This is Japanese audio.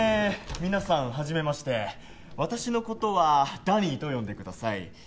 皆さんはじめまして私のことはダニーと呼んでください